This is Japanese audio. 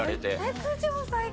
卓上、最高。